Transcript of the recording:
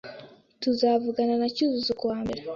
Tuzavugana na Cyuzuzo kuwa mbere.